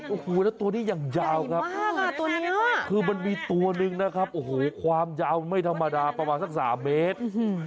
โอ้โหแล้วตัวนี้อย่างยาวครับคือมันมีตัวหนึ่งนะครับโอ้โหความยาวไม่ธรรมดาประมาณสัก๓เมตร